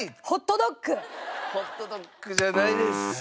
ホットドッグじゃないです。